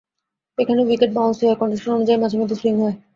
এখানে wicket bouncy হয়, condition অনুযায়ী মাঝেমধ্যে সুইং করে।